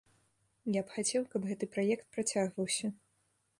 Я б хацеў, каб гэты праект працягваўся.